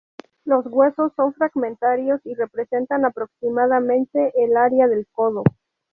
Los huesos son fragmentarios y representan aproximadamente el área del codo.